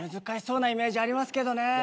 難しそうなイメージありますけどね。